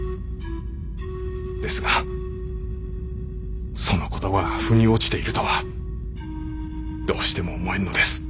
ですがその言葉が腑に落ちているとはどうしても思えぬのです。